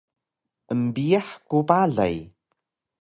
Embiyax ku balay